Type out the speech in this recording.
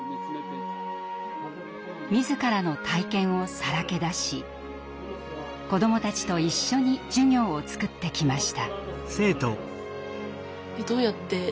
自らの体験をさらけ出し子どもたちと一緒に授業を作ってきました。